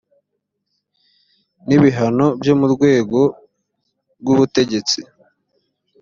n’ibihano byo mu rwego rw’ubutegetsi